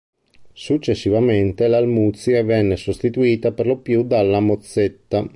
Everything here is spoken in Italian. Successivamente l'almuzia venne sostituita perlopiù dalla mozzetta.